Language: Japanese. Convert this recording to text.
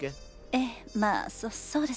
ええまあそそうですね。